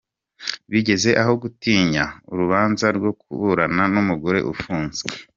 Bigeze aho gutinya urubanza rwo kuburana n’umugore ufunze?